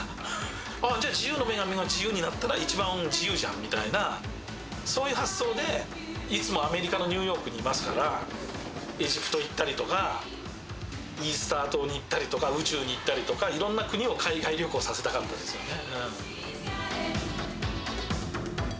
あ、じゃあ、自由の女神が自由になったら一番自由じゃんみたいな、そういう発想でいつもアメリカのニューヨークにいますから、エジプト行ったりとか、イースター島に行ったりとか、宇宙に行ったりとか、いろんな国を海外旅行させたかったんですよね。